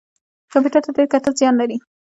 کمپیوټر ته ډیر کتل زیان لري